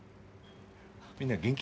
みんな元気？